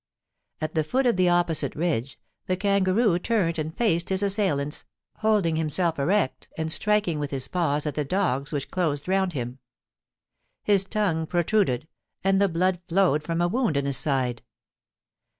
At the foot of the opposite ridge, the kangaroo turned and faced his assailants, holding himself erect and striking with his paws at the dogs which closed round him. His tongue protruded, and the blood flowed from a wound in his side.